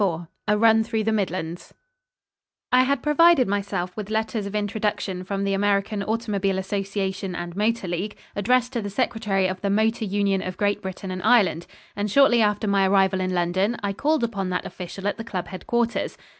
IV A RUN THROUGH THE MIDLANDS I had provided myself with letters of introduction from the American Automobile Association and Motor League, addressed to the secretary of the Motor Union of Great Britain and Ireland, and shortly after my arrival in London, I called upon that official at the club headquarters.